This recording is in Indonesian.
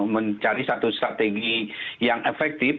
mencari satu strategi yang efektif